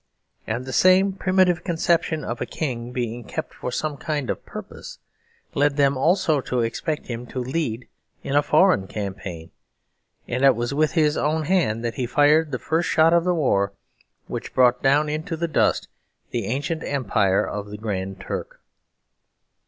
And the same primitive conception of a king being kept for some kind of purpose, led them also to expect him to lead in a foreign campaign, and it was with his own hand that he fired the first shot of the war which brought down into the dust the ancient empire of the Grand Turk.